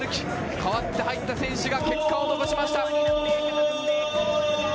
代わって入った選手が結果を残しました。